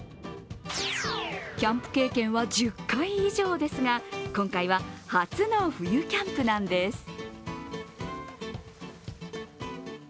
キャンプ経験は１０回以上ですが、今回は初の冬キャンプなんです。